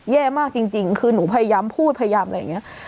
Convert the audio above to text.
แย่มากจริงคือหนูพยายามพูดพยายามอะไรอย่างนี้